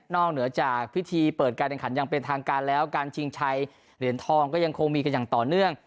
เหนือจากพิธีเปิดการแข่งขันอย่างเป็นทางการแล้วการชิงชัยเหรียญทองก็ยังคงมีกันอย่างต่อเนื่อง